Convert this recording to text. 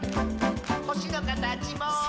「ほしのかたちも」